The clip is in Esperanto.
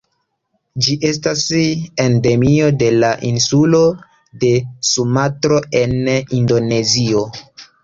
Ĝi estas endemio de la insulo de Sumatro en Indonezio.